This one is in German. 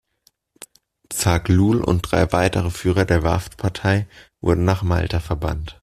Zaghlul und drei weitere Führer der Wafd-Partei wurden nach Malta verbannt.